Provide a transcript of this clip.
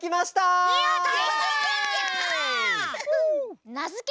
やった！